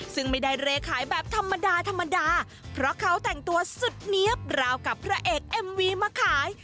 ซึ่งไม่ได้เรขายแบบธรรมดาธรรมดาเพราะเขาแต่งตัวสุดเนี๊ยบราวกับพระเอกเอ็มวีมาขาย